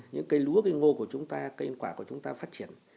những cây lúa cây ngô của chúng ta cây ăn quả của chúng ta phát triển